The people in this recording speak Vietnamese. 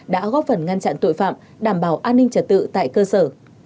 đã góp phần ngăn chặn tội phạm đảm bảo an ninh trật tự tại cơ sở